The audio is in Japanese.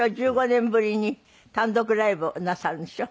１５年ぶりに単独ライブをなさるんでしょ？